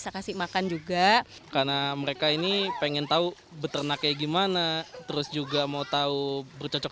saya kasih makan juga karena mereka ini pengen tahu beternak kayak gimana terus juga mau tahu bercocok